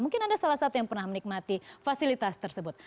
mungkin anda salah satu yang pernah menikmati fasilitas tersebut